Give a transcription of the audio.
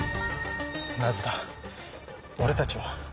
なぜだ俺たちは。